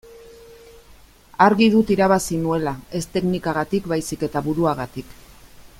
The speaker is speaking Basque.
Argi dut irabazi nuela ez teknikagatik baizik eta buruagatik.